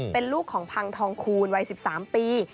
เป็นลูกของพังทองคูณวัย๑๓ปี